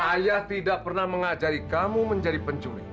ayah tidak pernah mengajari kamu menjadi pencuri